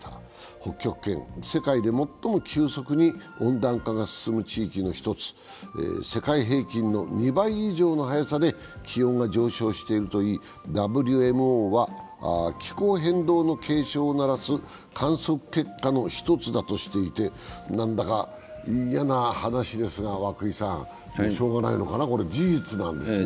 北極圏は世界で最も急速に温暖化が進む地域の一つで世界平均の２倍以上の速さ気温が上昇しているといいＷＭＯは、気候変動の警鐘を鳴らす観測結果の１つだとしていて何だか嫌な話ですがしようがないのかな、これ、事実なんですね。